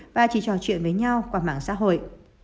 và chỉ trò chuyện với nhau qua mạng xã hội